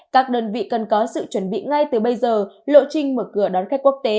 các đơn vị cần có sự chuẩn bị ngay từ bây giờ lộ trình mở cửa đón khách quốc tế